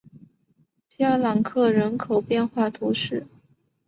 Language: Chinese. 皮奥朗克人口变化图示